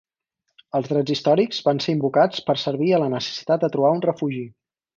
Els drets històrics van ser invocats per servir a la necessitat de trobar un refugi.